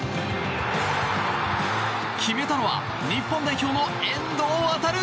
決めたのは日本代表の遠藤航。